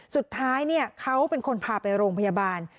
สุดท้ายเขาเป็นคนพาไปโรงพยาบาล